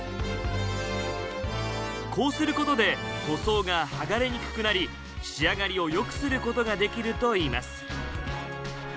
こうすることで塗装が剥がれにくくなり仕上がりを良くすることができるといいます。